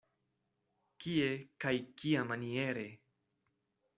Kie kaj kiamaniere?